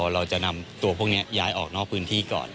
เราจะนำตัวพวกนี้ย้ายออกนอกพื้นที่ก่อน